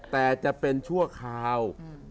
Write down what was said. แต่จะเป็นชั่วคราว